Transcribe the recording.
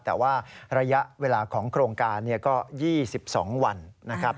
แต่ว่าระยะเวลาของโครงการก็๒๒วันนะครับ